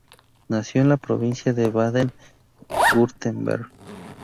Nació en la provincia de Baden-Wurtemberg.